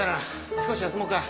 少し休もうか。